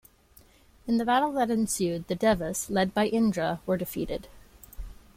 In the battle that ensued, the Devas, led by Indra, were defeated.